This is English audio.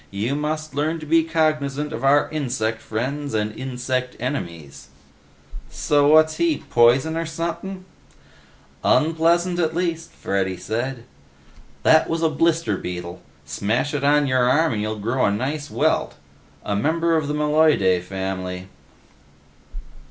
You must learn to be cognizant of our insect friends and insect enemies." "So what's he, poison or sumpin'?" "Unpleasant, at least," Freddy said. "That was a blister beetle; smash it on your arm and you'll grow a nice welt. A member of the Meloidae family."